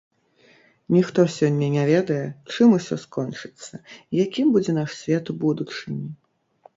Ніхто сёння не ведае, чым усё скончыцца, якім будзе наш свет у будучыні.